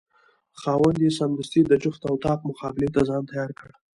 خاوند یې سمدستي د جفت او طاق مقابلې ته ځان تیار کړ.